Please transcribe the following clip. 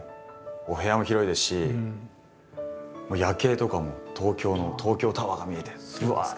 お部屋も広いですし夜景とかも東京の東京タワーが見えてぶわっと。